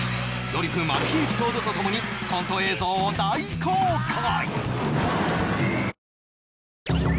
ドリフマル秘エピソードとともにコント映像を大公開！